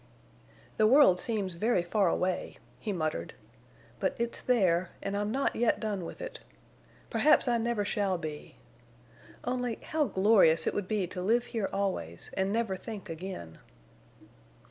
"The world seems very far away," he muttered, "but it's there—and I'm not yet done with it. Perhaps I never shall be.... Only—how glorious it would be to live here always and never think again!"